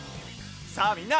さあみんな！